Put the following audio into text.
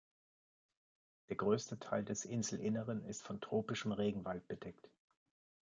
Der größte Teil des Inselinneren ist von tropischem Regenwald bedeckt.